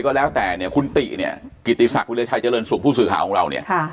ก็แล้วแต่คุณติกิติศักดิ์วิทยาชัยเจริญสุมผู้สื่อข่าวของเรา